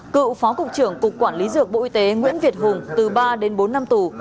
cựu phó cục trưởng cục quản lý dược bộ y tế nguyễn việt hùng từ ba đến bốn năm tù